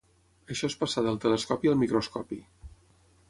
Això és passar del telescopi al microscopi.